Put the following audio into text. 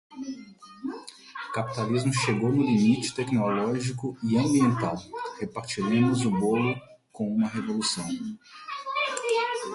Capitalismo chegou no limite tecnológico e ambiental, repartiremos o bolo com uma revolução